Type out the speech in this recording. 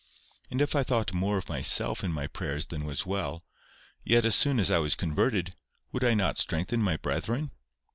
And if I thought more of myself in my prayers than was well, yet as soon as I was converted, would I not strengthen my brethren?